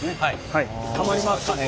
はまりますかね